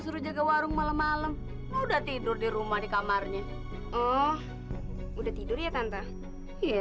suruh jaga warung malam malam udah tidur di rumah di kamarnya oh udah tidur ya kanta iya